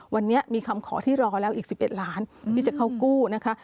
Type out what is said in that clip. วันนี้มีคำขอที่รอแล้วอีก๑๑ล้านที่จะเข้ากู้นะคะ